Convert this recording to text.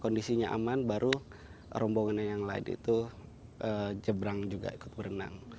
kondisinya aman baru rombongannya yang lain itu jebrang juga ikut berenang